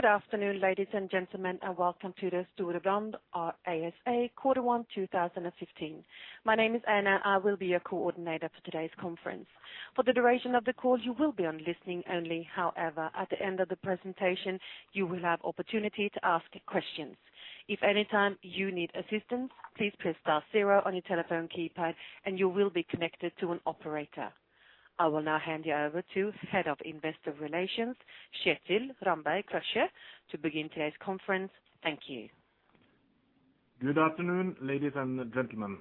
Good afternoon, ladies and gentlemen, and welcome to the Storebrand ASA Quarter One, 2015. My name is Anna, I will be your coordinator for today's conference. For the duration of the call, you will be on listening only. However, at the end of the presentation, you will have opportunity to ask questions. If any time you need assistance, please press star zero on your telephone keypad, and you will be connected to an operator. I will now hand you over to Head of Investor Relations, Kjetil Ramberg Krøkje, to begin today's conference. Thank you. Good afternoon, ladies and gentlemen.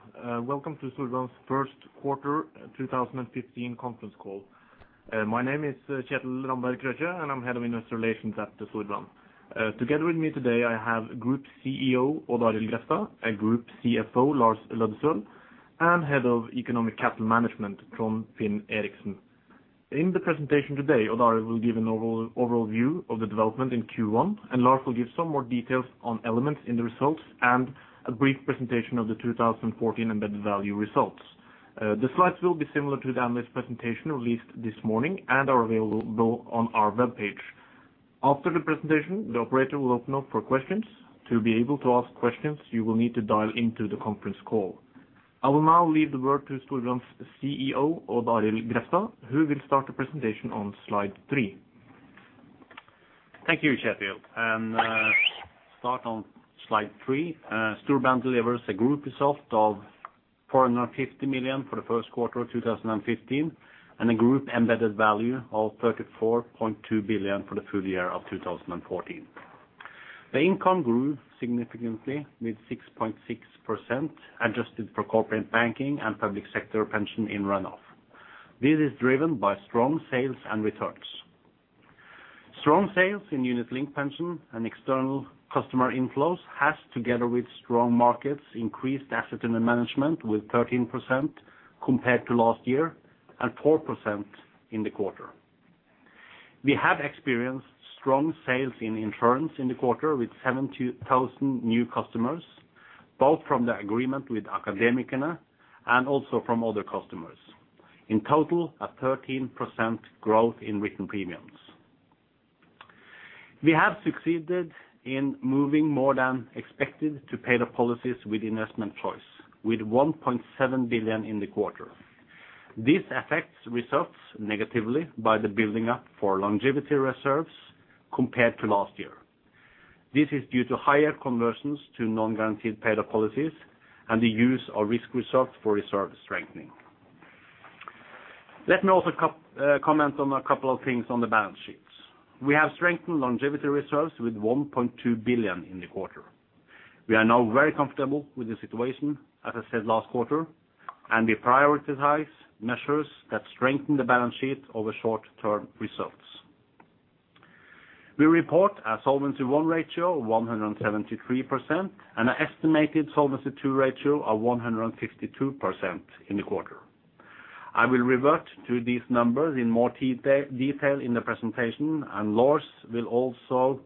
Welcome to Storebrand's first quarter 2015 conference call. My name is Kjetil Ramberg Krøkje, and I'm Head of Investor Relations at Storebrand. Together with me today, I have Group CEO, Odd Arild Grefstad, and Group CFO, Lars Løddesøl, and Head of Economic Capital Management, Trond Finn Eriksen. In the presentation today, Odd Arild will give an overview of the development in Q1, and Lars will give some more details on elements in the results, and a brief presentation of the 2014 embedded value results. The slides will be similar to the analyst presentation released this morning and are available on our webpage. After the presentation, the operator will open up for questions. To be able to ask questions, you will need to dial into the conference call. I will now leave the word to Storebrand's CEO, Odd Arild Grefstad, who will start the presentation on slide three. Thank you, Kjetil, and start on slide three. Storebrand delivers a group result of 450 million for the first quarter of 2015, and a group embedded value of 34.2 billion for the full year of 2014. The income grew significantly, with 6.6%, adjusted for corporate banking and public sector pension in run-off. This is driven by strong sales and returns. Strong sales in unit-linked pension and external customer inflows has, together with strong markets, increased asset under management with 13% compared to last year and 4% in the quarter. We have experienced strong sales in insurance in the quarter, with 70,000 new customers, both from the agreement with Akademikerne and also from other customers. In total, a 13% growth in written premiums. We have succeeded in moving more than expected to paid-up policies with investment choice, with 1.7 billion in the quarter. This affects results negatively by the building up of longevity reserves compared to last year. This is due to higher conversions to non-guaranteed paid-up policies and the use of risk reserves for reserve strengthening. Let me also comment on a couple of things on the balance sheets. We have strengthened longevity reserves with 1.2 billion in the quarter. We are now very comfortable with the situation, as I said last quarter, and we prioritize measures that strengthen the balance sheet over short-term results. We report a Solvency I ratio of 173%, and an estimated Solvency II ratio of 152% in the quarter. I will revert to these numbers in more detail in the presentation, and Lars will also go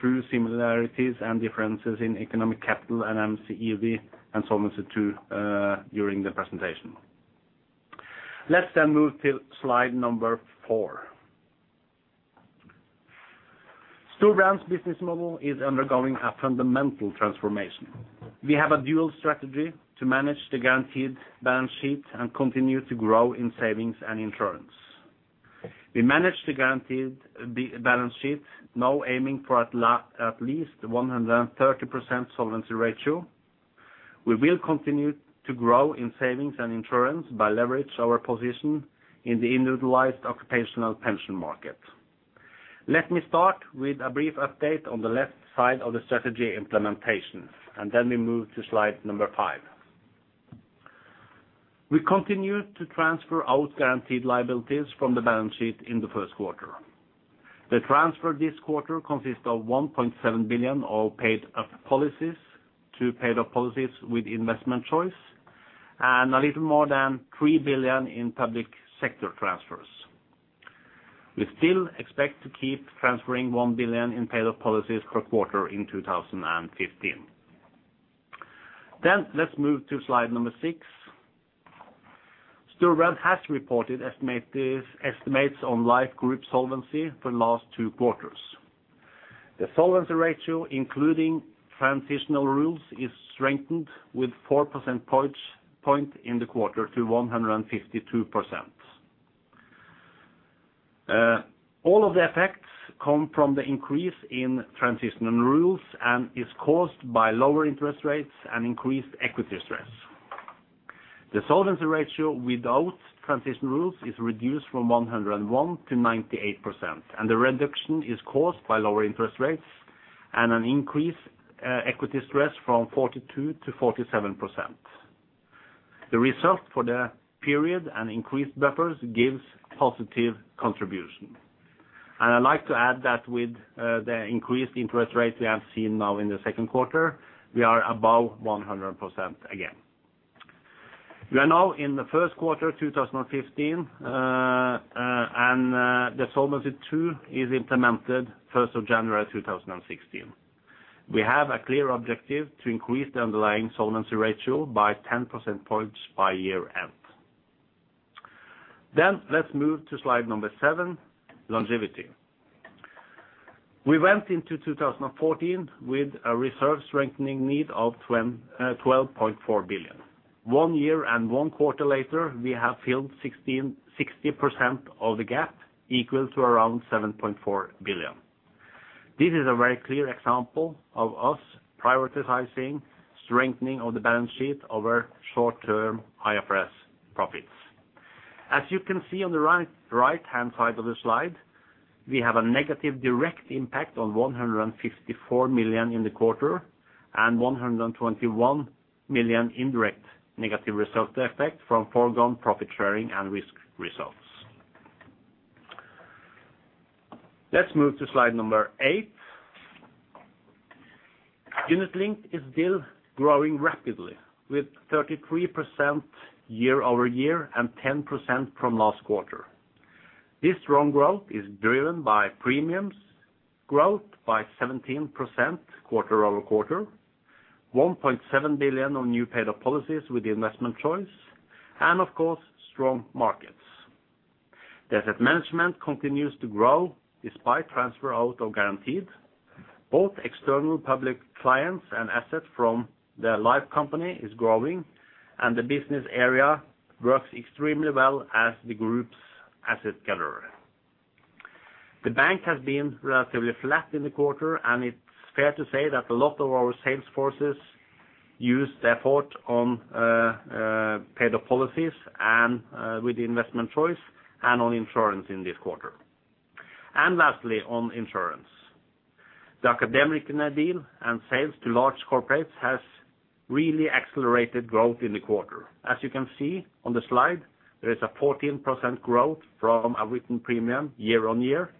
through similarities and differences in economic capital and MCEV and Solvency II during the presentation. Let's then move to slide four. Storebrand's business model is undergoing a fundamental transformation. We have a dual strategy to manage the guaranteed balance sheet and continue to grow in savings and insurance. We manage the guaranteed balance sheet, now aiming for at least 130% solvency ratio. We will continue to grow in savings and insurance by leverage our position in the individualized occupational pension market. Let me start with a brief update on the left side of the strategy implementation, and then we move to slide five. We continue to transfer out guaranteed liabilities from the balance sheet in the first quarter. The transfer this quarter consists of 1.7 billion of paid-up policies to paid-up policies with investment choice, and a little more than 3 billion in public sector transfers. We still expect to keep transferring 1 billion in paid-up policies per quarter in 2015. Then let's move to slide 6. Storebrand has reported estimates on life group solvency for the last two quarters. The solvency ratio, including transitional rules, is strengthened with four percentage points in the quarter to 152%. All of the effects come from the increase in transitional rules and is caused by lower interest rates and increased equity stress. The solvency ratio without transition rules is reduced from 101% to 98%, and the reduction is caused by lower interest rates and an increase, equity stress from 42% to 47%. The result for the period and increased buffers gives positive contribution. And I'd like to add that with, the increased interest rates we have seen now in the second quarter, we are above 100% again. We are now in the first quarter of 2015, and, the Solvency II is implemented first of January, 2016. We have a clear objective to increase the underlying solvency ratio by 10 percentage points by year end. Then let's move to slide number seven, longevity. We went into 2014 with a reserve strengthening need of 12.4 billion. One year and one quarter later, we have filled 16.6% of the gap, equal to around 7.4 billion. This is a very clear example of us prioritizing strengthening of the balance sheet over short-term IFRS profits. As you can see on the right, right-hand side of the slide, we have a negative direct impact of 154 million in the quarter, and 121 million indirect negative result effect from foregone profit sharing and risk results. Let's move to slide number eight. Unit-linked is still growing rapidly, with 33% year-over-year and 10% from last quarter. This strong growth is driven by premiums, growth by 17% quarter-over-quarter, 1.7 billion on new paid-up policies with the investment choice, and of course, strong markets. The asset management continues to grow despite transfer out of guaranteed. Both external public clients and assets from the life company is growing, and the business area works extremely well as the group's asset gatherer. The bank has been relatively flat in the quarter, and it's fair to say that a lot of our sales forces use the effort on paid-up policies and with the investment choice and on insurance in this quarter. Lastly, on insurance. The Akademikerne deal and sales to large corporates has really accelerated growth in the quarter. As you can see on the slide, there is a 14% growth from our written premium year-on-year.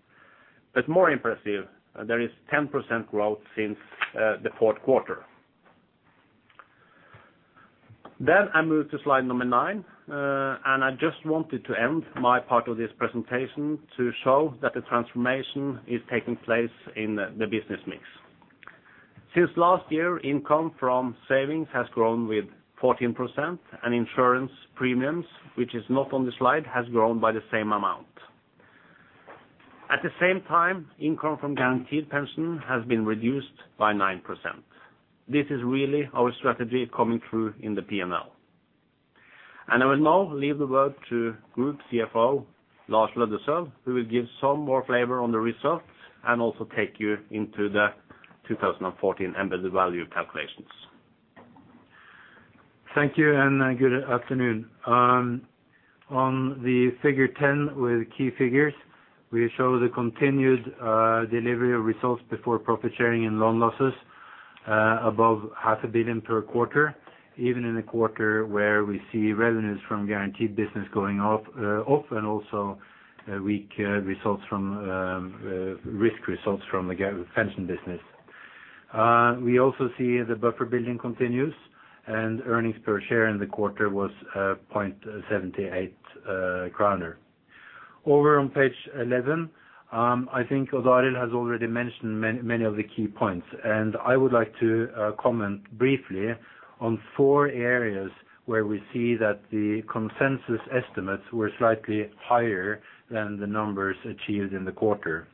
But more impressive, there is 10% growth since the fourth quarter. Then I move to slide number nine, and I just wanted to end my part of this presentation to show that the transformation is taking place in the business mix. Since last year, income from savings has grown with 14%, and insurance premiums, which is not on the slide, has grown by the same amount. At the same time, income from guaranteed pension has been reduced by 9%. This is really our strategy coming through in the PNL. And I will now leave the word to Group CFO, Lars Aasulv Løddesøl, who will give some more flavor on the results and also take you into the 2014 embedded value calculations. Thank you, and, good afternoon. On the figure 10 with key figures, we show the continued delivery of results before profit sharing and loan losses, above 500 million per quarter, even in a quarter where we see revenues from guaranteed business going up, and also weak risk results from the guaranteed pension business. We also see the buffer building continues, and earnings per share in the quarter was 0.78 kroner. Over on page 11, I think Odd Arild has already mentioned many of the key points, and I would like to comment briefly on four areas where we see that the consensus estimates were slightly higher than the numbers achieved in the quarter.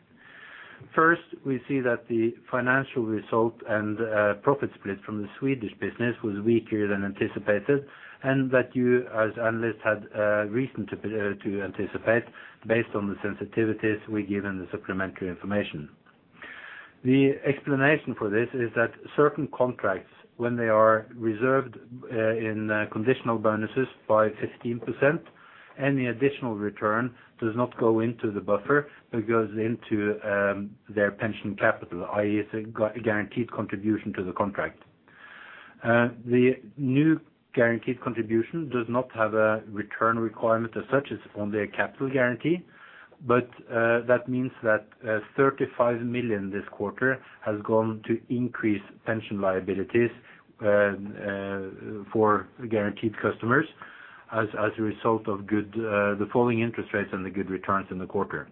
First, we see that the financial result and profit split from the Swedish business was weaker than anticipated, and that you, as analysts, had reason to anticipate based on the sensitivities we give in the supplementary information. The explanation for this is that certain contracts, when they are reserved in conditional bonuses by 15%, any additional return does not go into the buffer, but goes into their pension capital, i.e., it's a guaranteed contribution to the contract. The new guaranteed contribution does not have a return requirement as such, it's only a capital guarantee, but that means that 35 million this quarter has gone to increase pension liabilities for guaranteed customers as a result of the falling interest rates and the good returns in the quarter.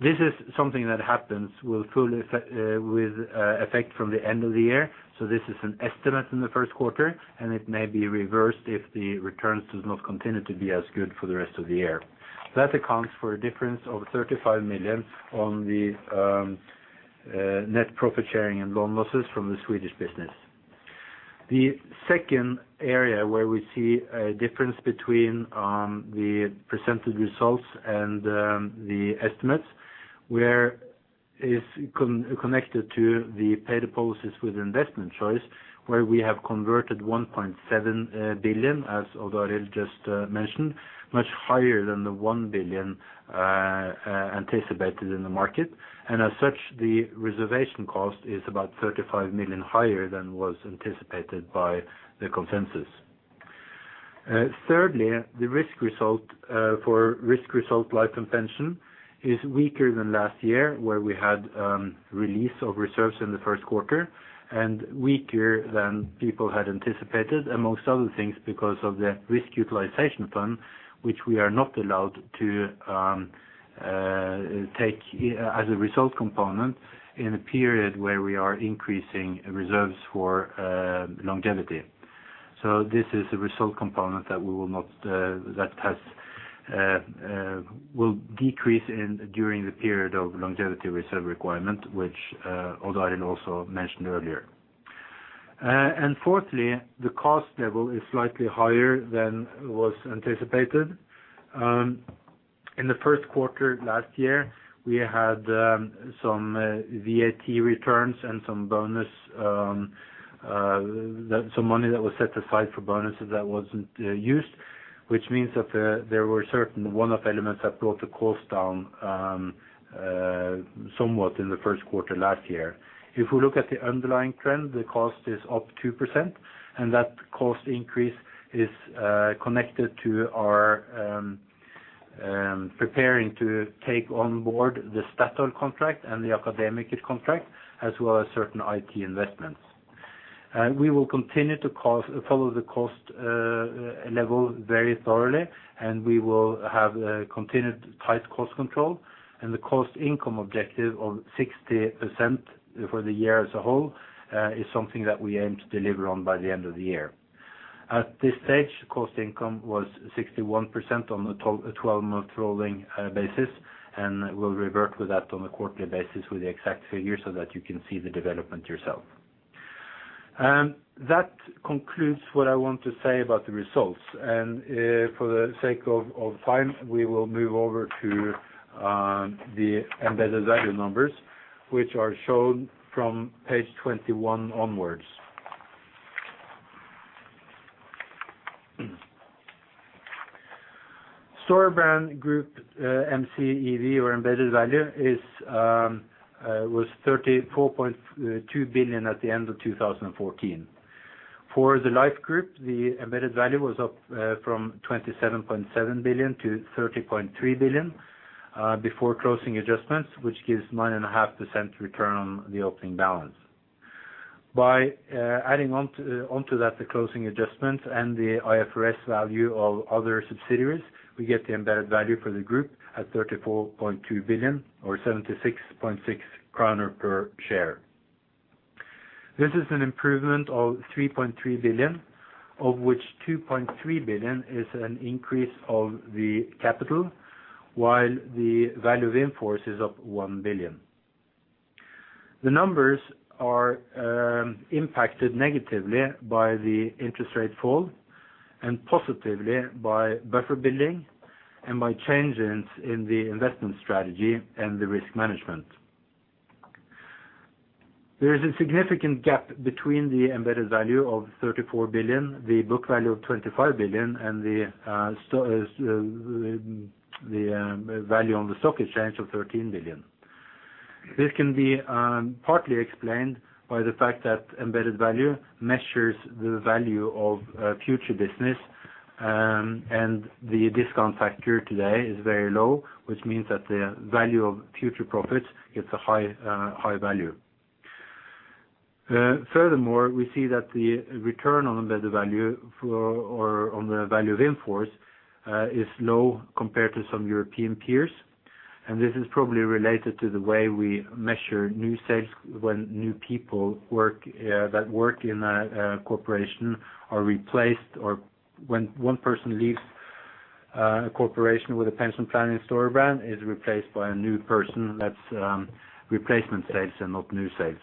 This is something that happens with full effect from the end of the year, so this is an estimate in the first quarter, and it may be reversed if the returns does not continue to be as good for the rest of the year. That accounts for a difference of 35 million on the net profit sharing and loan losses from the Swedish business. The second area where we see a difference between the presented results and the estimates, which is connected to the paid-up policies with investment choice, where we have converted 1.7 billion, as Odd Arild just mentioned, much higher than the 1 billion anticipated in the market. And as such, the reservation cost is about 35 million higher than was anticipated by the consensus. Thirdly, the risk result for risk result Life & Pension is weaker than last year, where we had release of reserves in the first quarter, and weaker than people had anticipated, amongst other things, because of the risk utilization plan, which we are not allowed to take as a result component in a period where we are increasing reserves for longevity. This is a result component that will decrease during the period of longevity reserve requirement, which Odd Arild Grefstad also mentioned earlier. Fourthly, the cost level is slightly higher than was anticipated. In the first quarter last year, we had some VAT returns and some bonus, some money that was set aside for bonuses that wasn't used, which means that there were certain one-off elements that brought the cost down somewhat in the first quarter last year. If we look at the underlying trend, the cost is up 2%, and that cost increase is connected to our preparing to take on board the Statoil contract and the Akademikerne contract, as well as certain IT investments. We will continue to follow the cost level very thoroughly, and we will have continued tight cost control. The cost income objective of 60% for the year as a whole is something that we aim to deliver on by the end of the year. At this stage, cost income was 61% on a 12-month rolling basis, and we'll revert with that on a quarterly basis with the exact figures so that you can see the development yourself. That concludes what I want to say about the results. For the sake of time, we will move over to the embedded value numbers, which are shown from page 21 onwards. Storebrand group MCEV, or embedded value, was 34.2 billion at the end of 2014. For the Life Group, the embedded value was up from 27.7 billion to 30.3 billion before closing adjustments, which gives 9.5% return on the opening balance. By adding on to that, the closing adjustments and the IFRS value of other subsidiaries, we get the embedded value for the group at 34.2 billion or 76.6 kroner per share. This is an improvement of 3.3 billion, of which 2.3 billion is an increase of the capital, while the value in force is up 1 billion. The numbers are impacted negatively by the interest rate fall, and positively by buffer building and by changes in the investment strategy and the risk management. There is a significant gap between the embedded value of 34 billion, the book value of 25 billion, and the value on the stock exchange of 13 billion. This can be partly explained by the fact that embedded value measures the value of future business, and the discount factor today is very low, which means that the value of future profits gets a high, high value. Furthermore, we see that the return on embedded value for, or on the value in force, is low compared to some European peers, and this is probably related to the way we measure new sales when new people work, that work in a corporation are replaced, or when one person leaves a corporation with a pension plan in Storebrand, is replaced by a new person. That's replacement sales and not new sales.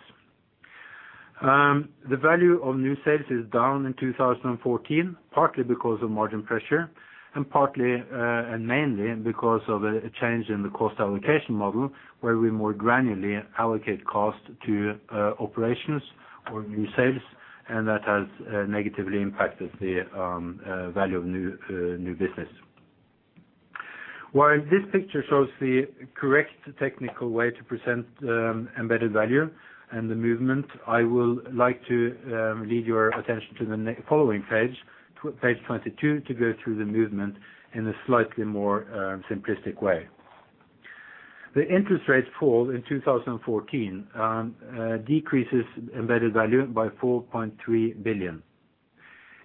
The value of new sales is down in 2014, partly because of margin pressure, and partly and mainly because of a change in the cost allocation model, where we more granularly allocate cost to operations or new sales, and that has negatively impacted the value of new business. While this picture shows the correct technical way to present embedded value and the movement, I will like to lead your attention to the following page, page 22, to go through the movement in a slightly more simplistic way. The interest rates fall in 2014 decreases embedded value by 4.3 billion.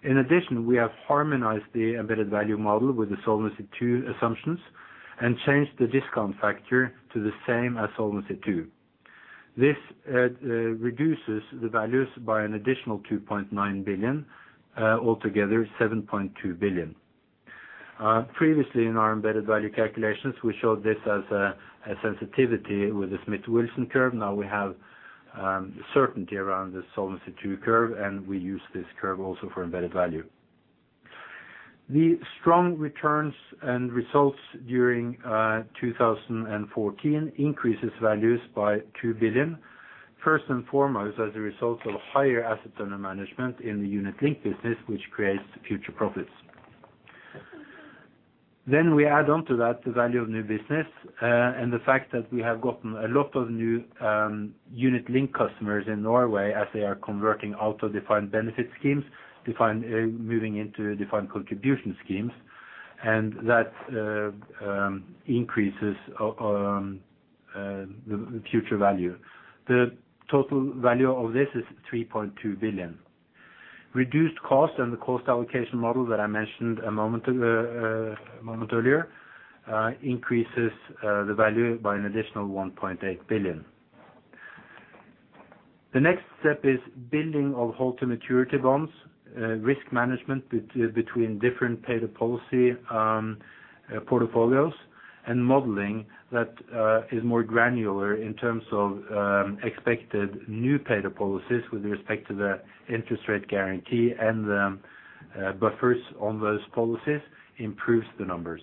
In addition, we have harmonized the embedded value model with the Solvency II assumptions and changed the discount factor to the same as Solvency II. This reduces the values by an additional 2.9 billion, altogether 7.2 billion. Previously in our embedded value calculations, we showed this as a sensitivity with the Smith-Wilson Curve. Now we have certainty around the Solvency II curve, and we use this curve also for embedded value. The strong returns and results during 2014 increases values by 2 billion, first and foremost, as a result of higher assets under management in the unit-linked business, which creates future profits. Then we add on to that the value of new business, and the fact that we have gotten a lot of new unit-linked customers in Norway as they are converting out of defined benefit schemes, moving into defined contribution schemes, and that increases the future value. The total value of this is 3.2 billion. Reduced cost and the cost allocation model that I mentioned a moment ago, a moment earlier, increases the value by an additional 1.8 billion. The next step is building of hold-to-maturity bonds, risk management between different paid-up policy portfolios, and modeling that is more granular in terms of expected new paid-up policies with respect to the interest rate guarantee and the buffers on those policies improves the numbers.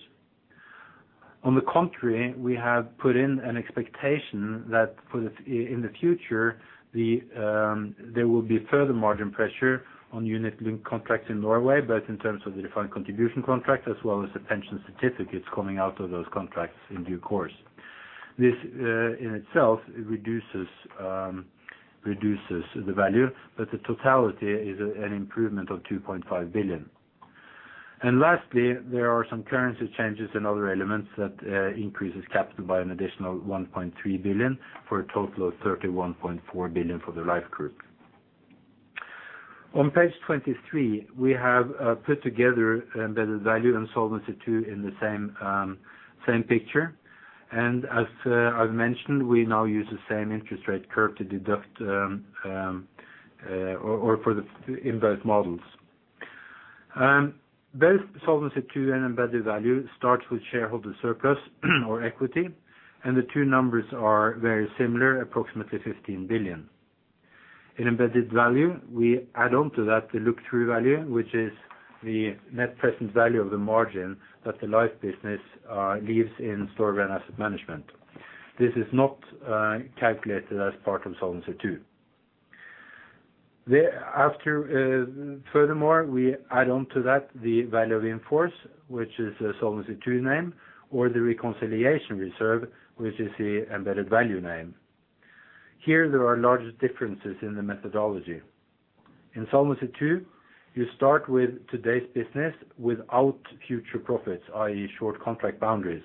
On the contrary, we have put in an expectation that in the future there will be further margin pressure on unit-linked contracts in Norway, both in terms of the defined contribution contract as well as the pension certificates coming out of those contracts in due course. This, in itself, it reduces the value, but the totality is an improvement of 2.5 billion. And lastly, there are some currency changes and other elements that, increases capital by an additional 1.3 billion, for a total of 31.4 billion for the life group. On page 23, we have put together the value and Solvency II in the same picture. And as, I've mentioned, we now use the same interest rate curve to deduct, or for the, in both models. And both Solvency II and Embedded Value starts with shareholder surplus or equity, and the two numbers are very similar, approximately 15 billion. In Embedded Value, we add on to that the look-through value, which is the net present value of the margin that the life business leaves in Storebrand Asset Management. This is not calculated as part of Solvency II. Thereafter, furthermore, we add on to that the Value in Force, which is a Solvency II name, or the reconciliation reserve, which is the Embedded Value name. Here, there are large differences in the methodology. In Solvency II, you start with today's business without future profits, i.e., short contract boundaries.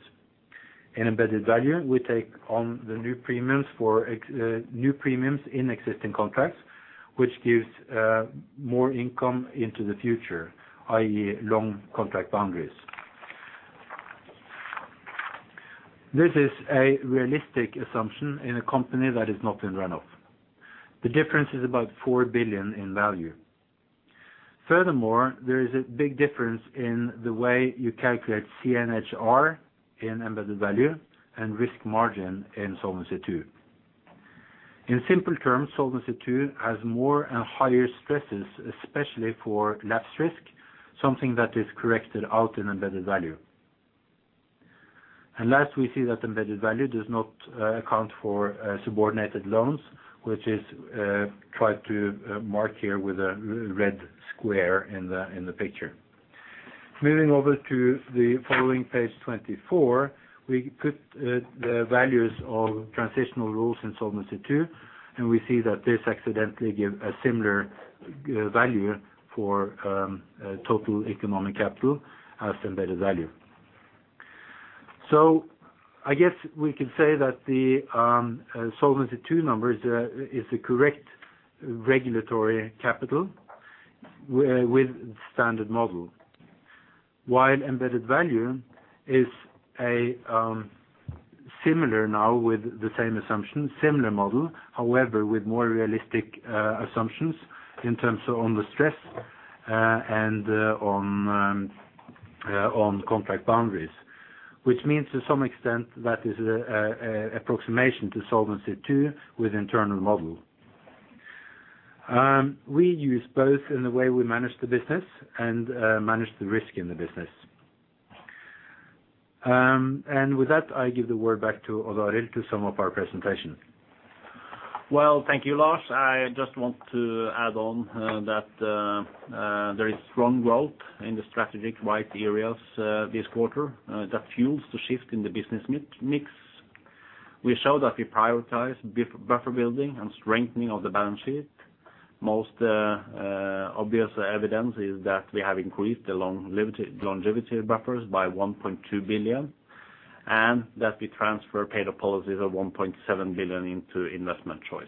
In Embedded Value, we take on the new premiums for ex- new premiums in existing contracts, which gives more income into the future, i.e., long contract boundaries. This is a realistic assumption in a company that is not in run-off. The difference is about 4 billion in value. Furthermore, there is a big difference in the way you calculate CNHR in Embedded Value and Risk Margin in Solvency II. In simple terms, Solvency II has more and higher stresses, especially for lapse risk, something that is corrected out in embedded value. Last, we see that embedded value does not account for subordinated loans, which is tried to mark here with a red square in the picture. Moving over to the following page 24, we put the values of transitional rules in Solvency II, and we see that this accidentally give a similar value for total economic capital as embedded value. So I guess we could say that the Solvency II numbers is the correct regulatory capital with standard model. While embedded value is a similar now with the same assumption, similar model, however, with more realistic assumptions in terms of on the stress and on contract boundaries. Which means to some extent, that is, approximation to Solvency II with internal model. We use both in the way we manage the business and manage the risk in the business. And with that, I give the word back to Odd Arild to sum up our presentation. Well, thank you, Lars. I just want to add on that there is strong growth in the strategic white areas this quarter that fuels the shift in the business mix. We show that we prioritize buffer building and strengthening of the balance sheet. Most obvious evidence is that we have increased the longevity buffers by 1.2 billion, and that we transferred paid-up policies of 1.7 billion into investment choice.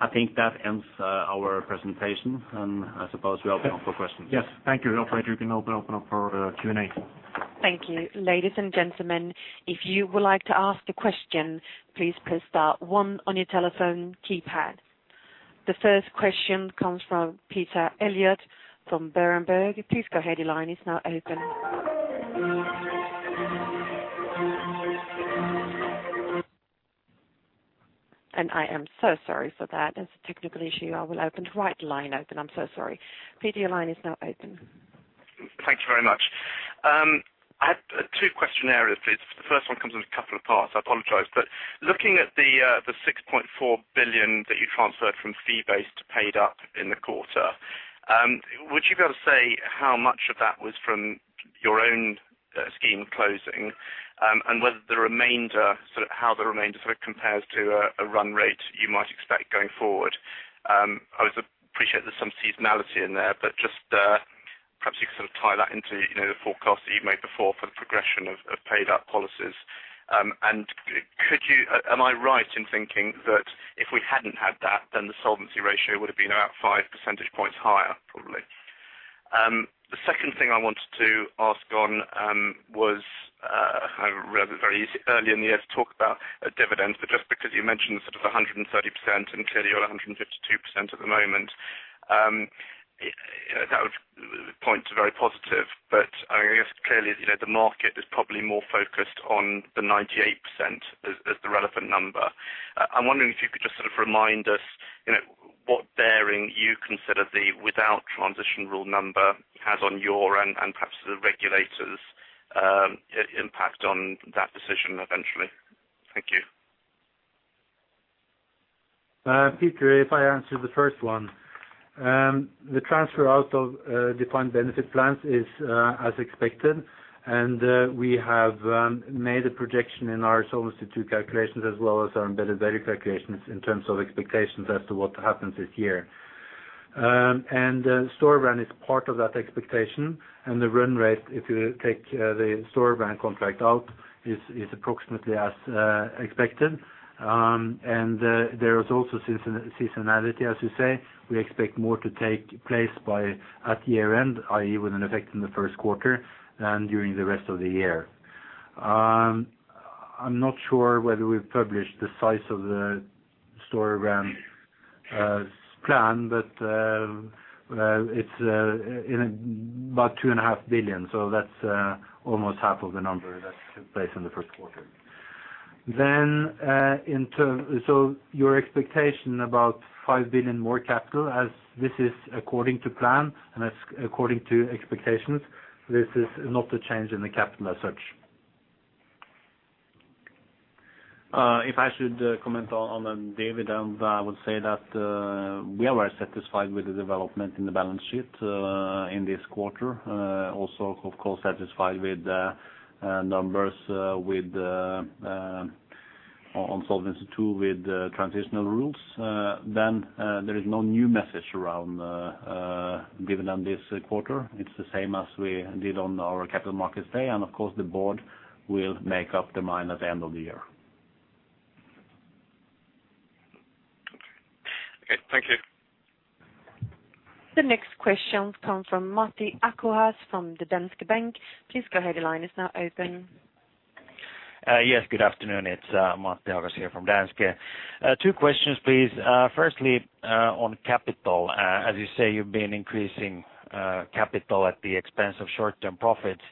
I think that ends our presentation, and I suppose we open up for questions. Yes. Thank you. Operator, you can open up for Q&A. Thank you. Ladies and gentlemen, if you would like to ask a question, please press star one on your telephone keypad. The first question comes from Peter Eliot from Berenberg. Please go ahead, your line is now open. I am so sorry for that. There's a technical issue. I will open the right line open. I'm so sorry. Peter, your line is now open. Thank you very much. I have two question areas, please. The first one comes in a couple of parts, I apologize. But looking at the 6.4 billion that you transferred from fee-based to paid up in the quarter, would you be able to say how much of that was from your own scheme closing? And whether the remainder, sort of how the remainder sort of compares to a run rate you might expect going forward. I would appreciate there's some seasonality in there, but just perhaps you could sort of tie that into, you know, the forecast that you've made before for the progression of paid-up policies. And could you... Am I right in thinking that if we hadn't had that, then the solvency ratio would have been about five percentage points higher, probably? The second thing I wanted to ask on was, I read it very easy early in the year to talk about a dividend, but just because you mentioned sort of 100%, and clearly you're 152% at the moment, that would point to very positive. But, I guess, clearly, you know, the market is probably more focused on the 98% as the relevant number. I'm wondering if you could just sort of remind us, you know, what bearing you consider the without transition rule number has on your end, and perhaps the regulators' impact on that decision eventually? Thank you. Peter, if I answer the first one. The transfer out of Defined Benefit plans is as expected, and we have made a projection in our Solvency II calculations, as well as our Embedded Value calculations in terms of expectations as to what happens this year. And Storebrand is part of that expectation, and the run rate, if you take the Storebrand contract out, is approximately as expected. And there is also seasonality, as you say. We expect more to take place by at year-end, i.e., with an effect in the first quarter than during the rest of the year. I'm not sure whether we've published the size of the Storebrand plan, but it's in about 2.5 billion. So that's almost half of the number that took place in the first quarter. Then, so your expectation about 5 billion more capital as this is according to plan, and that's according to expectations. This is not a change in the capital as such. If I should comment on David, I would say that we are well satisfied with the development in the balance sheet in this quarter. Also, of course, satisfied with the numbers on Solvency II, with the transitional rules. Then, there is no new message around given on this quarter. It's the same as we did on our capital markets day, and of course, the board will make up the mind at the end of the year. Okay, thank you. The next question comes from Matti Ahokas from Danske Bank. Please go ahead. The line is now open. Yes, good afternoon. It's, Matti Ahokas here from Danske. Two questions, please. Firstly, on capital. As you say, you've been increasing, capital at the expense of short-term profits.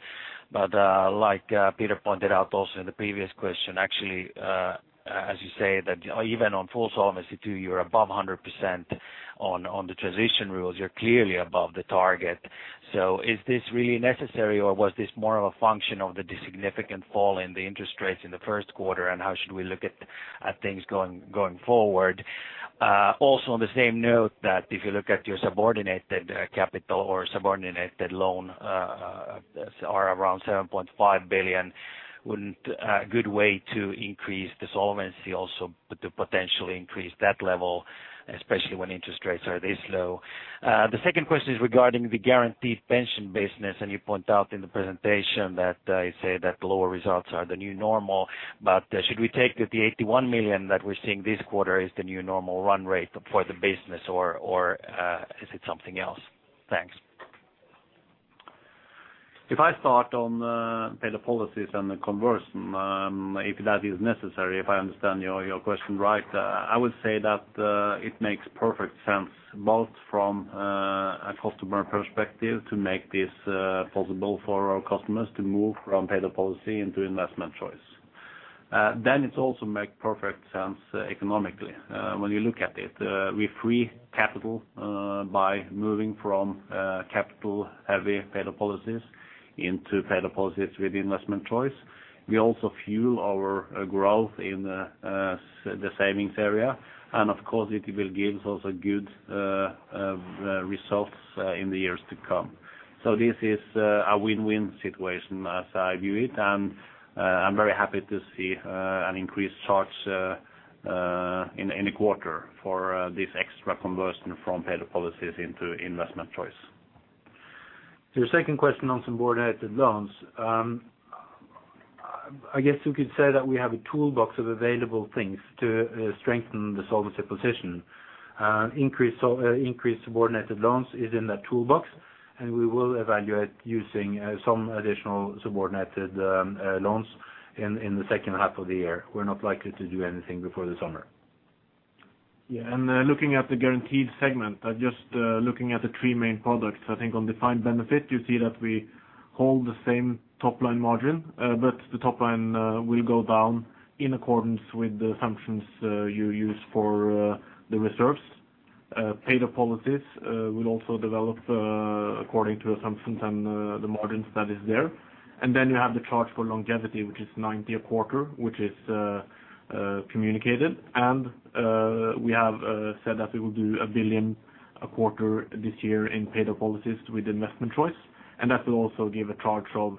But, like, Peter pointed out also in the previous question, actually, as you say, that even on full solvency, too, you're above 100% on, on the transition rules, you're clearly above the target. So is this really necessary, or was this more of a function of the significant fall in the interest rates in the first quarter? And how should we look at, at things going, going forward? Also, on the same note, that if you look at your subordinated capital or subordinated loan, are around 7.5 billion, wouldn't a good way to increase the solvency also, but to potentially increase that level, especially when interest rates are this low? The second question is regarding the guaranteed pension business, and you point out in the presentation that, you say that the lower results are the new normal, but, should we take that the 81 million that we're seeing this quarter is the new normal run rate for the business, or, or, is it something else? Thanks. If I start on paid-up policies and the conversion, if that is necessary, if I understand your, your question, right, I would say that it makes perfect sense, both from a customer perspective, to make this possible for our customers to move from paid-up policy into investment choice. Then it also make perfect sense economically. When you look at it, we free capital by moving from capital-heavy paid-up policies into paid-up policies with investment choice. We also fuel our growth in the savings area, and of course, it will give us a good results in the years to come. So this is a win-win situation, as I view it, and I'm very happy to see an increased charge in the quarter for this extra conversion from paid-up policies into investment choice. Your second question on subordinated loans. I guess you could say that we have a toolbox of available things to strengthen the solvency position. Increase subordinated loans is in that toolbox, and we will evaluate using some additional subordinated loans in the second half of the year. We're not likely to do anything before the summer. Yeah, looking at the guaranteed segment, just looking at the three main products, I think on defined benefit, you see that we hold the same top-line margin, but the top line will go down in accordance with the assumptions you use for the reserves. Paid-up policies will also develop according to assumptions and the margins that is there. Then you have the charge for longevity, which is 90 a quarter, which is communicated. We have said that we will do 1 billion a quarter this year in paid-up policies with investment choice, and that will also give a charge of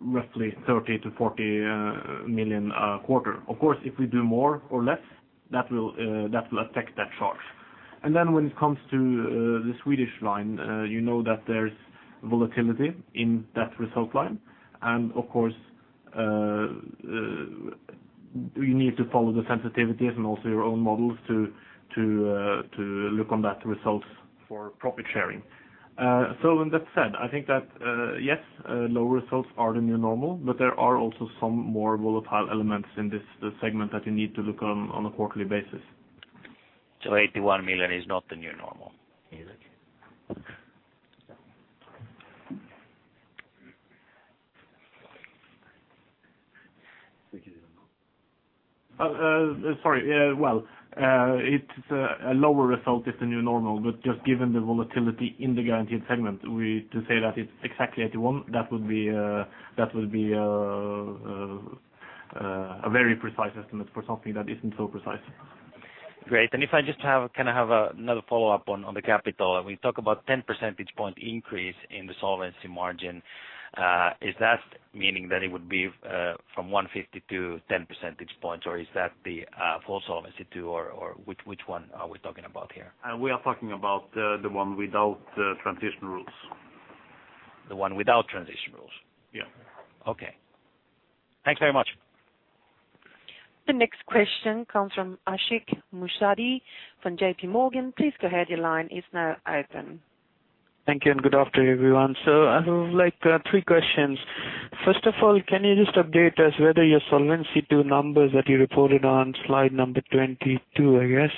roughly 30 million -40 million a quarter. Of course, if we do more or less, that will affect that charge. Then when it comes to the Swedish line, you know that there's volatility in that result line. Of course you need to follow the sensitivities and also your own models to look on that results for profit sharing. So with that said, I think that yes, low results are the new normal, but there are also some more volatile elements in this, the segment that you need to look on a quarterly basis. 81 million is not the new normal, is it? Sorry. Yeah, well, it's a lower result is the new normal, but just given the volatility in the guaranteed segment, we to say that it's exactly 81, that would be a very precise estimate for something that isn't so precise. Great. And if I just have, can I have another follow-up on the capital? We talk about 10 percentage point increase in the solvency margin. Is that meaning that it would be from 150 to 10 percentage points, or is that the full Solvency II, or which one are we talking about here? We are talking about the one without the transition rules. The one without transition rules? Yeah. Okay. Thanks very much. The next question comes from Ashik Musaddi from JPMorgan. Please go ahead. Your line is now open. Thank you, and good afternoon, everyone. So I have, like, three questions. First of all, can you just update us whether your Solvency II numbers that you reported on slide number 22, I guess,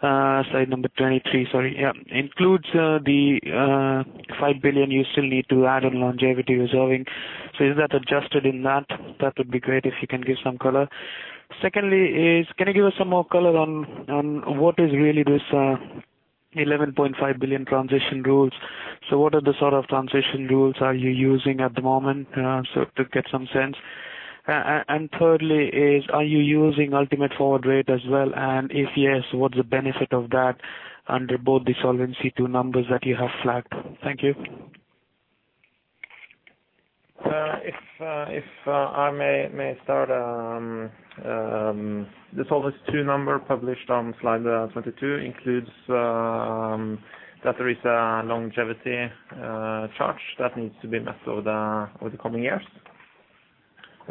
slide number 23, sorry, yeah. Includes, the, five billion you still need to add in longevity reserving. So is that adjusted in that? That would be great if you can give some color. Secondly is, can you give us some more color on, on what is really this, 11.5 billion transition rules? So what are the sort of transition rules are you using at the moment, so to get some sense. And thirdly is, are you using Ultimate Forward Rate as well? And if yes, what's the benefit of that under both the Solvency II numbers that you have flagged? Thank you. If I may start, the Solvency II number published on slide 22 includes that there is a longevity charge that needs to be met over the coming years.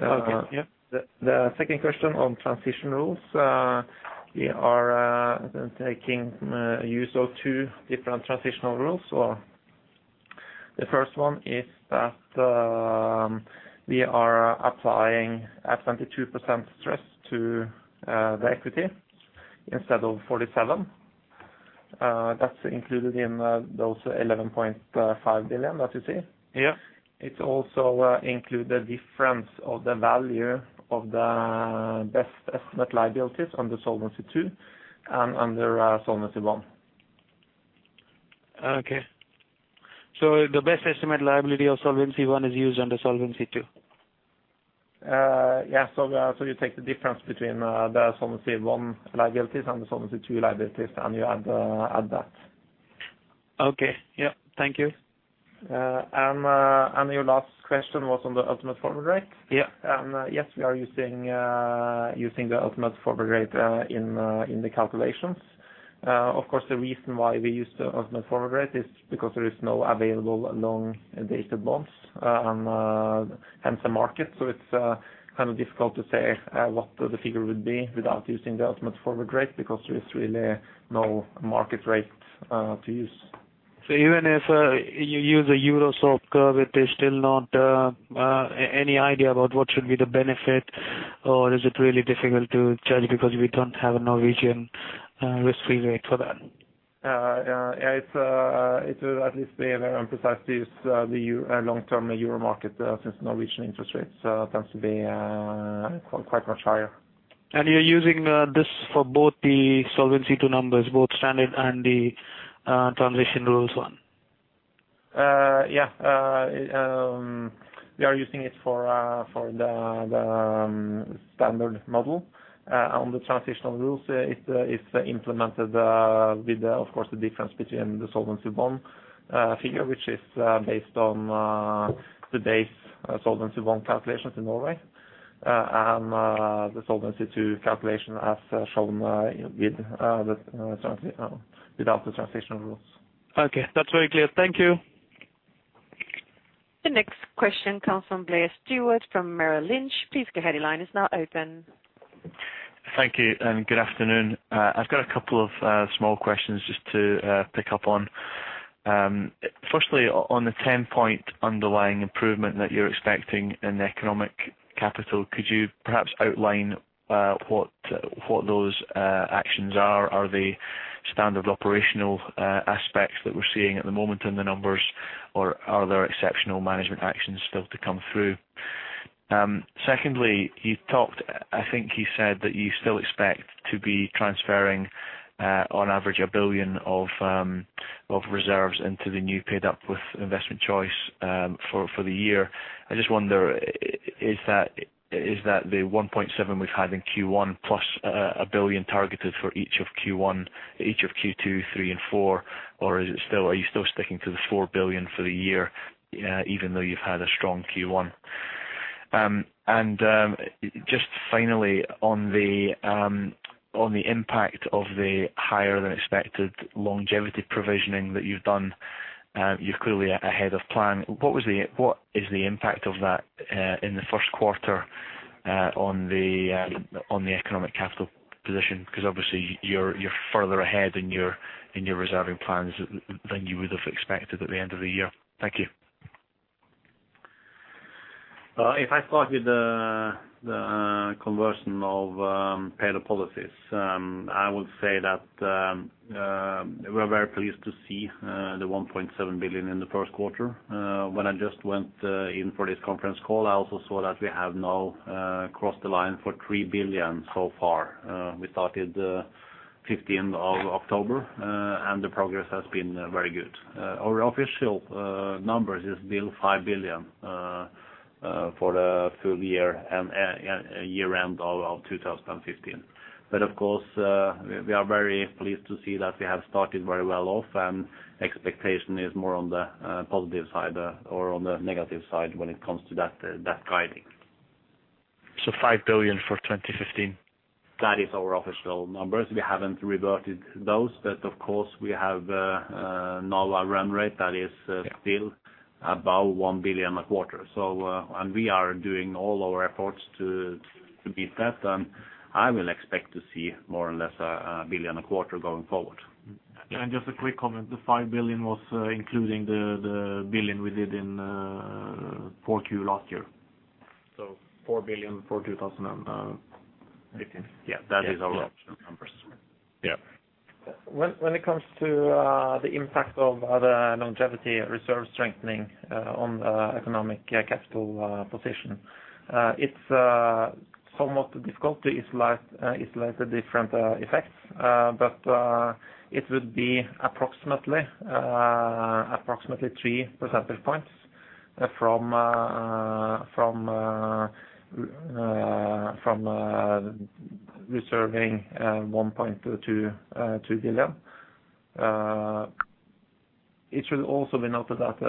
Okay. Yep. The second question on transition rules, we are taking use of two different transitional rules. So the first one is that we are applying a 22% stress to the equity instead of 47%. That's included in those 11.5 billion that you see. Yeah. It also include the difference of the value of the best estimate liabilities on the Solvency II and under Solvency I. Okay. So the best estimate liability of Solvency I is used under Solvency II? Yeah. So, you take the difference between the Solvency I liabilities and the Solvency II liabilities, and you add that. Okay. Yeah. Thank you. And your last question was on the Ultimate Forward Rate? Yeah. Yes, we are using the Ultimate Forward Rate in the calculations. Of course, the reason why we use the Ultimate Forward Rate is because there is no available long-dated bonds in the market. So it's kind of difficult to say what the figure would be without using the Ultimate Forward Rate, because there is really no market rate to use. So even if you use a euro curve, there's still not any idea about what should be the benefit, or is it really difficult to judge because we don't have a Norwegian risk-free rate for that? Yeah, it's at least very precise to use the long-term euro market, since Norwegian interest rates tends to be quite much higher. You're using this for both the Solvency II numbers, both standard and the transition rules one? Yeah. We are using it for the standard model. On the transitional rules, it's implemented, with, of course, the difference between the Solvency I figure, which is based on today's Solvency I calculations in Norway, and the Solvency II calculation, as shown with without the transitional rules. Okay, that's very clear. Thank you. The next question comes from Blair Stewart, from Merrill Lynch. Please go ahead. Your line is now open. Thank you, and good afternoon. I've got a couple of small questions just to pick up on. Firstly, on the 10-point underlying improvement that you're expecting in the economic capital, could you perhaps outline what those actions are? Are they standard operational aspects that we're seeing at the moment in the numbers, or are there exceptional management actions still to come through? Secondly, you talked... I think you said that you still expect to be transferring, on average, 1 billion of reserves into the new paid-up with investment choice, for the year. I just wonder, is that the 1.7 billion we've had in Q1 plus 1 billion targeted for each of Q2, Q3, and Q4, or are you still sticking to the 4 billion for the year, even though you've had a strong Q1? Just finally on the impact of the higher than expected longevity provisioning that you've done. You're clearly ahead of plan. What is the impact of that in the first quarter on the economic capital position? Because obviously, you're further ahead in your reserving plans than you would have expected at the end of the year. Thank you. If I start with the conversion of paid-up policies, I would say that we're very pleased to see the 1.7 billion in the first quarter. When I just went in for this conference call, I also saw that we have now crossed the line for 3 billion so far. We started 15th of October, and the progress has been very good. Our official numbers is still 5 billion for the full year and year-end of 2015. But of course, we are very pleased to see that we have started very well off, and expectation is more on the positive side, or on the negative side when it comes to that guiding. So 5 billion for 2015? That is our official numbers. We haven't reverted those, but of course, we have now a run rate that is still about 1 billion a quarter. So, and we are doing all our efforts to beat that, and I will expect to see more or less 1 billion a quarter going forward. Just a quick comment. The 5 billion was, including the, the 1 billion we did in Q4 last year. So 4 billion for 2015. Yeah, that is our numbers. Yeah. When it comes to the impact of the longevity reserve strengthening on economic capital position, it's somewhat difficult. It's like, it's like the different effects. But it would be approximately three percentage points from reserving 1.22 billion. It should also be noted that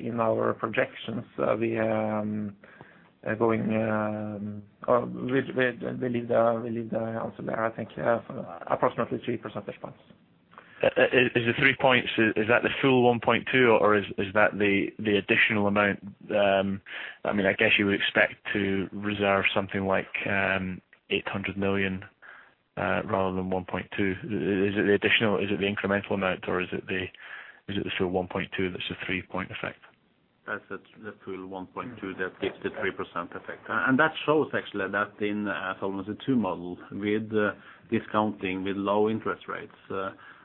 in our projections we are going or with the answer there, I think, approximately three percentage points. Is the three points the full 1.2 billion, or is that the additional amount? I mean, I guess you would expect to reserve something like 800 million rather than 1.2 billion. Is it the additional, is it the incremental amount, or is it the full NOK 1.2 billion that's a three-point effect? That's it. The full 1.2 billion, that gives the 3% effect. And that shows actually that in Solvency II model, with discounting, with low interest rates,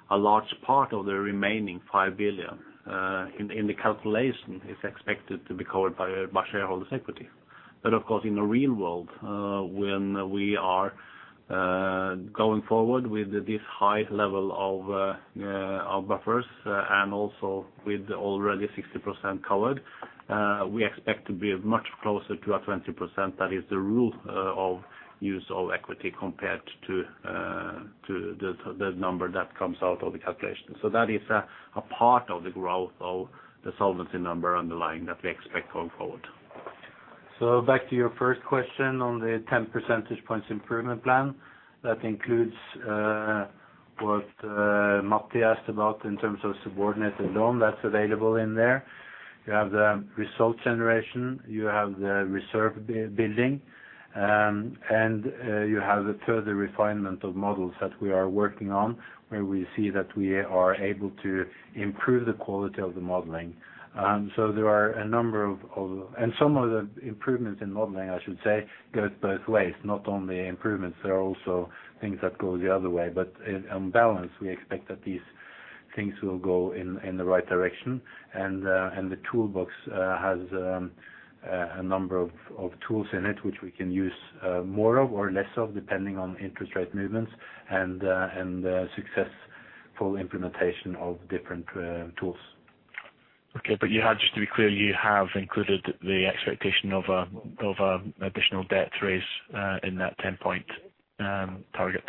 a large part of the remaining 5 billion in the calculation, is expected to be covered by shareholders' equity. But of course, in the real world, when we are going forward with this high level of buffers, and also with already 60% covered, we expect to be much closer to a 20%. That is the rule of use of equity compared to the number that comes out of the calculation. So that is a part of the growth of the solvency number underlying that we expect going forward. So back to your first question on the 10 percentage points improvement plan. That includes what Matti asked about in terms of subordinate loan that's available in there. You have the result generation, you have the reserve building, and you have the further refinement of models that we are working on, where we see that we are able to improve the quality of the modeling. So there are a number of. And some of the improvements in modeling, I should say, goes both ways, not only improvements, there are also things that go the other way. But in, on balance, we expect that these things will go in the right direction. And the toolbox has a number of tools in it which we can use more or less of, depending on interest rate movements and successful implementation of different tools. Okay, but you have, just to be clear, you have included the expectation of a additional debt raise in that 10-point target?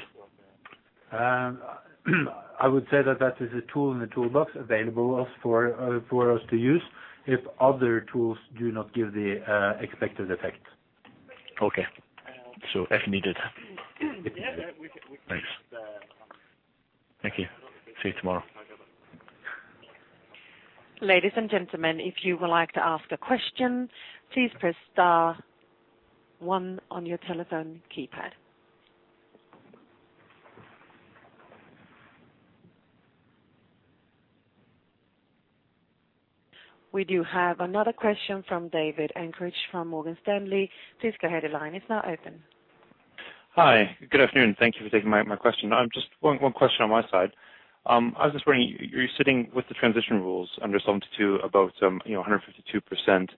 I would say that that is a tool in the toolbox available us for, for us to use if other tools do not give the, expected effect. Okay. So if needed? Yeah, yeah. We can- Thanks. Thank you. See you tomorrow. Ladies and gentlemen, if you would like to ask a question, please press star one on your telephone keypad. We do have another question from David Andrich, from Morgan Stanley. Please go ahead, the line is now open. Hi, good afternoon. Thank you for taking my question. Just one question on my side. I was just wondering, you're sitting with the transition rules under Solvency II, about, you know, 152%,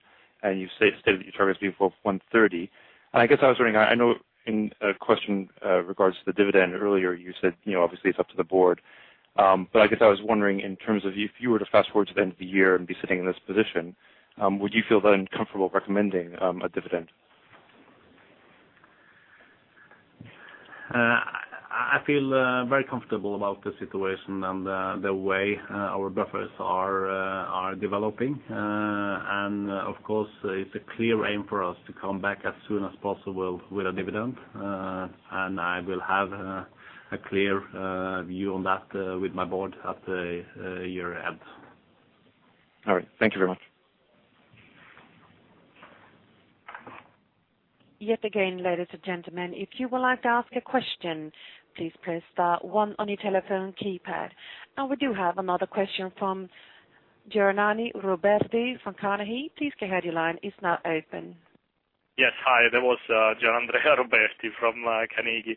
and you stated your target is before 130. And I guess I was wondering, I know in a question regards to the dividend earlier, you said, you know, obviously it's up to the board. But I guess I was wondering, in terms of if you were to fast forward to the end of the year and be sitting in this position, would you feel then comfortable recommending a dividend? I feel very comfortable about the situation and the way our buffers are developing. Of course, it's a clear aim for us to come back as soon as possible with a dividend. I will have a clear view on that with my board at the year-end. All right. Thank you very much. Yet again, ladies and gentlemen, if you would like to ask a question, please press the one on your telephone keypad. We do have another question from Gianandrea Roberti from Carnegie. Please go ahead, your line is now open. Yes. Hi, that was Gianandrea Roberti from Carnegie.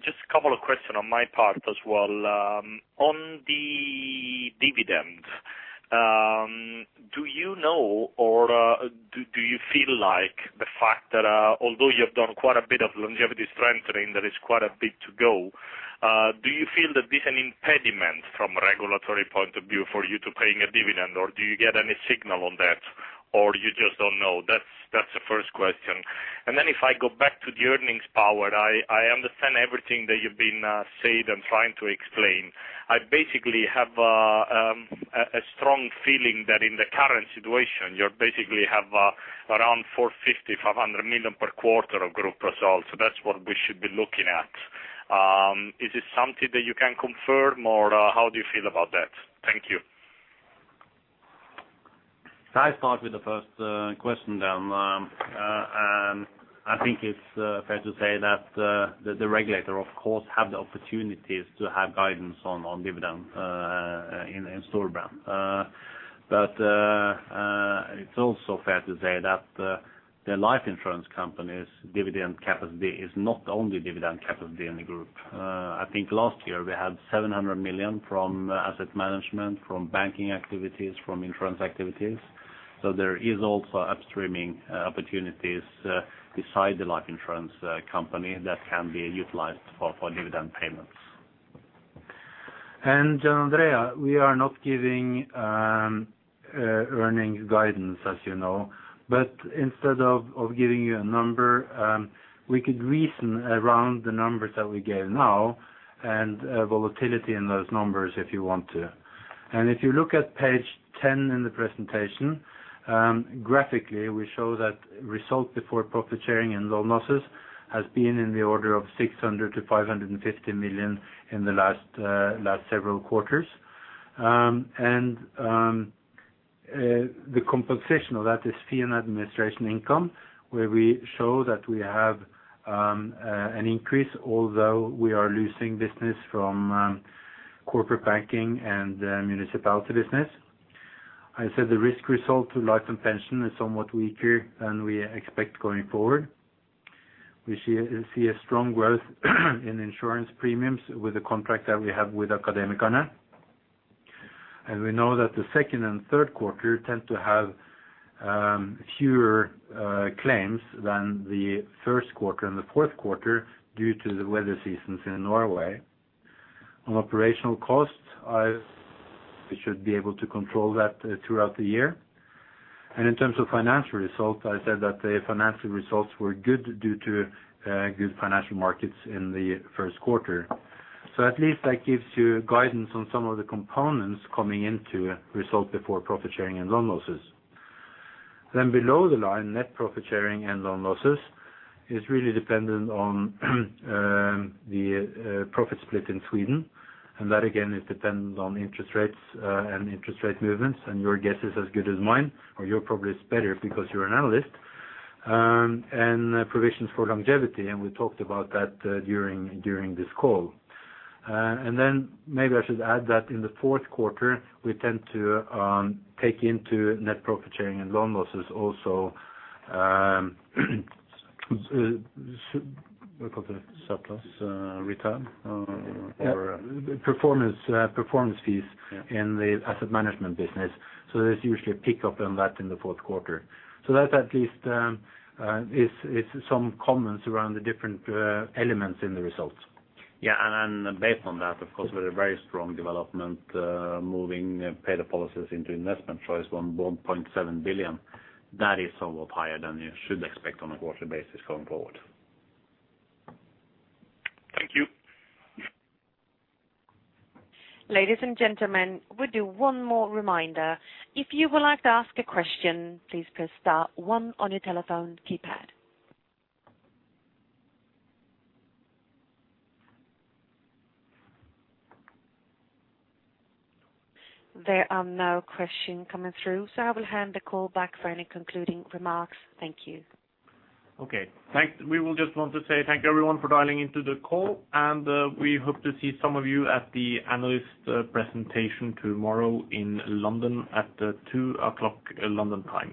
Just a couple of questions on my part as well. On the dividend, do you know or do you feel like the fact that although you have done quite a bit of longevity strengthening, there is quite a bit to go, do you feel that this is an impediment from a regulatory point of view for you to paying a dividend, or do you get any signal on that, or you just don't know? That's the first question. And then if I go back to the earnings power, I understand everything that you've been said and trying to explain. I basically have a strong feeling that in the current situation, you basically have around 450 million-500 million per quarter of group results. That's what we should be looking at. Is this something that you can confirm, or, how do you feel about that? Thank you. Can I start with the first question then? I think it's fair to say that the regulator, of course, have the opportunities to have guidance on dividend in Storebrand. But it's also fair to say that the life insurance company's dividend capacity is not the only dividend capacity in the group. I think last year we had 700 million from asset management, from banking activities, from insurance activities. So there is also upstreaming opportunities beside the life insurance company that can be utilized for dividend payments. Andrea, we are not giving earnings guidance, as you know. But instead of, of giving you a number, we could reason around the numbers that we gave now and, volatility in those numbers, if you want to. And if you look at page 10 in the presentation, graphically, we show that result before profit sharing and loan losses has been in the order of 600 million-550 million in the last, last several quarters. And, the compensation of that is fee and administration income, where we show that we have, an increase, although we are losing business from, corporate banking and, municipality business. I said the risk result to life and pension is somewhat weaker than we expect going forward. We see a strong growth in insurance premiums with the contract that we have with Akademikerne. We know that the second and third quarter tend to have fewer claims than the first quarter and the fourth quarter due to the weather seasons in Norway. On operational costs, we should be able to control that throughout the year. In terms of financial results, I said that the financial results were good due to good financial markets in the first quarter. So at least that gives you guidance on some of the components coming into result before profit sharing and loan losses. Then below the line, net profit sharing and loan losses is really dependent on the profit split in Sweden, and that again, it depends on interest rates and interest rate movements, and your guess is as good as mine, or yours probably is better because you're an analyst. And provisions for longevity, and we talked about that during this call. And then maybe I should add that in the fourth quarter, we tend to take into net profit sharing and loan losses also what do you call it? Surplus return or performance fees- Yeah. in the asset management business. So there's usually a pickup on that in the fourth quarter. So that at least is some comments around the different elements in the results. Yeah, and then based on that, of course, with a very strong development, moving paid-up policies into investment choice, 1.7 billion. That is somewhat higher than you should expect on a quarterly basis going forward. Thank you. Ladies and gentlemen, we do one more reminder. If you would like to ask a question, please press star one on your telephone keypad. There are no question coming through, so I will hand the call back for any concluding remarks. Thank you. Okay, thanks. We will just want to say thank you, everyone, for dialing into the call, and we hope to see some of you at the analyst presentation tomorrow in London at 2:00 P.M. London time.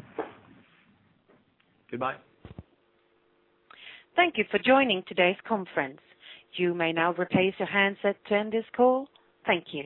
Goodbye. Thank you for joining today's conference. You may now replace your handset to end this call. Thank you.